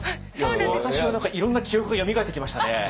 私は何かいろんな記憶がよみがえってきましたね。